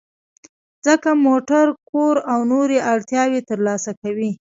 ځکه موټر، کور او نورې اړتیاوې ترلاسه کوئ.